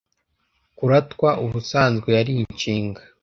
kuratwa ubusanzwe yari inshinga